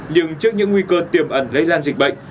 nhưng trước những nguy cơ tiềm ẩn lây lan dịch bệnh